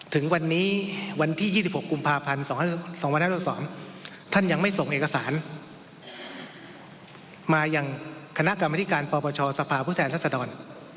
ถึงวันนี้วันที่๒๖กุมภาพันธ์๒๕๖๒ท่านยังไม่ส่งเอกสารมายังคณะกรรมธิการปปชสภาพผู้แทนรัศดร